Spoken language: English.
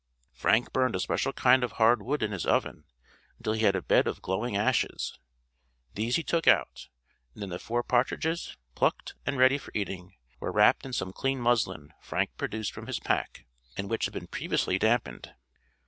Frank burned a special kind of hard wood in his oven until he had a bed of glowing ashes. These he took out, and then the four partridges, plucked and ready for eating, were wrapped in some clean muslin Frank produced from his pack, and which had been previously dampened.